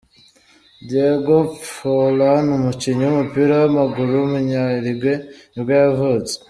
Diego Forlán, umukinnyi w’umupira w’amaguru w’umunya-Uruguay nibwo yavutse.